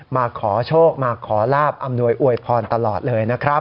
มาขอโชคมาขอลาบอำนวยอวยพรตลอดเลยนะครับ